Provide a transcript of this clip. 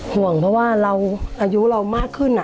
ห่วงเพราะว่าเราอายุเรามากขึ้น